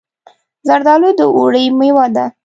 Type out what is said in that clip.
زردالو د اوړي مېوه ده.